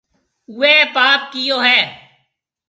اوَي پاپ ڪيئو هيَ۔